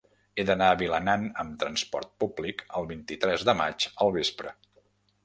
He d'anar a Vilanant amb trasport públic el vint-i-tres de maig al vespre.